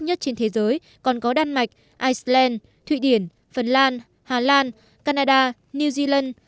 nhất trên thế giới còn có đan mạch iceland thụy điển phần lan hà lan canada new zealand